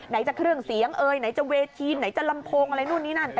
ไหนจะเครื่องเสียงเอ่ยไหนจะเวทีไหนจะลำโพงอะไรนู่นนี่นั่น